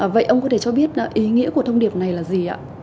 vậy ông có thể cho biết ý nghĩa của thông điệp này là gì ạ